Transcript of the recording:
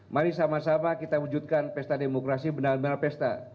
mari sama sama kita wujudkan pesta demokrasi benar benar pesta